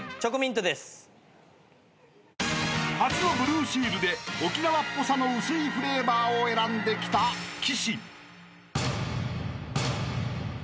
［初のブルーシールで沖縄っぽさの薄いフレーバーを選んできた岸］